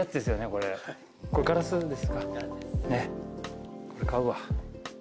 これ買うわ。